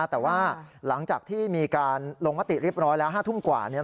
แต่ว่าหลังจากที่มีการลงมติเรียบร้อยแล้ว๕ทุ่มกว่า